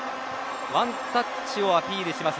ワンタッチをアピールします